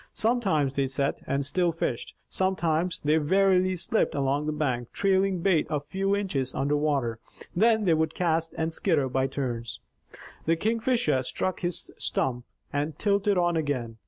Sometimes they sat, and still fished. Sometimes, they warily slipped along the bank, trailing bait a few inches under water. Then they would cast and skitter by turns. The Kingfisher struck his stump, and tilted on again.